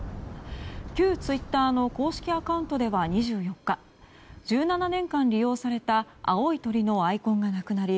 旧ツイッターの公式アカウントでは２４日１７年間利用された青い鳥のアイコンがなくなり